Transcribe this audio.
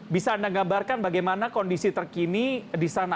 bisa anda gambarkan bagaimana kondisi terkini di sana